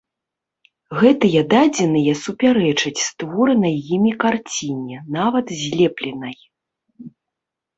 Гэтыя дадзеныя супярэчаць створанай імі карціне, нават злепленай.